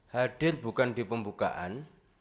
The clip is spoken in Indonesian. hadir bukan di pembukaan